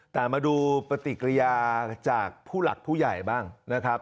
แต่มาดูปฏิกิริยาจากผู้หลักผู้ใหญ่บ้างนะครับ